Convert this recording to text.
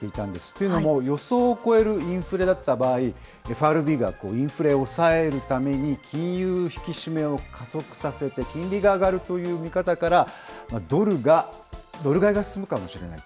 というのも、予想を超えるインフレだった場合、ＦＲＢがインフレを抑えるために、金融引き締めを加速させて、金利が上がるという見方から、ドル買いが進むかもしれない。